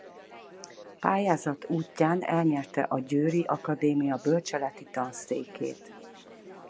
Pályázat útján elnyerte a győri akadémia bölcseleti tanszékét.